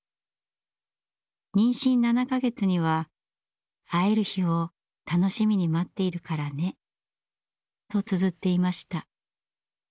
妊娠７か月には「会える日を楽しみに待っているからね」とつづっていました。